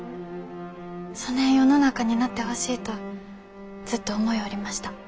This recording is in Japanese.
そねえ世の中になってほしいとずっと思ようりました。